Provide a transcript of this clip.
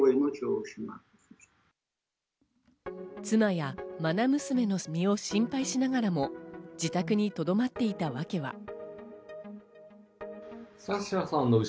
妻や、まな娘の身を心配しながらも、自宅にとどまっていたわけは。